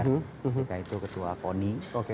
ketika itu ketua koni